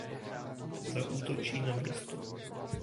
Zaútočí na město.